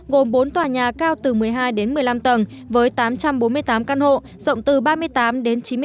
gồm bốn tòa nhà cao từ một mươi hai đến một mươi năm tầng với tám trăm bốn mươi tám căn hộ rộng từ ba mươi tám đến chín mươi m hai